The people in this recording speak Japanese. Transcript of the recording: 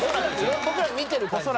僕ら見てる感じ。